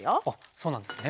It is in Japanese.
そうなんですね。